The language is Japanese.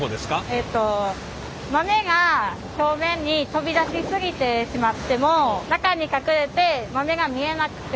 えっと豆が表面に飛び出しすぎてしまっても中に隠れて豆が見えなくても。